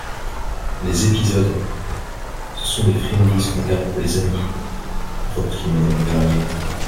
Les épisodes ! ce sont les friandises qu'on garde pour les amis, reprit madame Vernier.